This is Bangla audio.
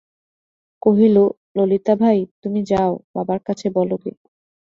কহিল, ললিতাভাই, তুমি যাও, বাবার কাছে বলো গে।